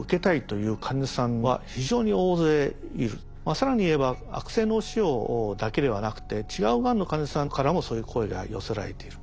更に言えば悪性脳腫瘍だけではなくて違うがんの患者さんからもそういう声が寄せられている。